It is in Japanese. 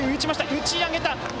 打ち上げた。